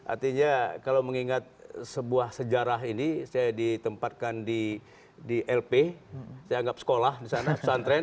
artinya kalau mengingat sebuah sejarah ini saya ditempatkan di lp saya anggap sekolah di sana pesantren